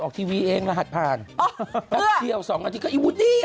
ครึ่งงั้นเพิ่งมาเริ่มใหม่